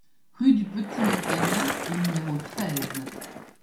Rue du Petit-Montagna au numéro treize